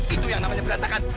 itu yang namanya berantakan